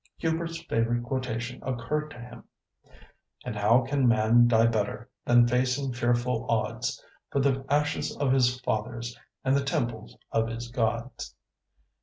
Hubert's favourite quotation occurred to him— And how can man die better Than facing fearful odds, For the ashes of his fathers, And the temples of his gods?